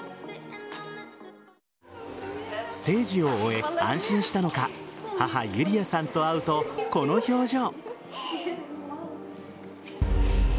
ステージを終え、安心したのか母・ユリヤさんと会うとこの表情。